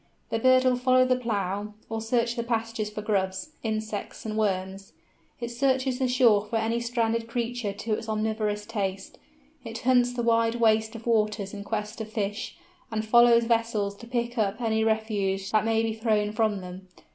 The bird will follow the plough, or search the pastures for grubs, insects, and worms; it searches the shore for any stranded creature to its omnivorous taste; it hunts the wide waste of waters in quest of fish, and follows vessels to pick up any refuse that may be thrown from them.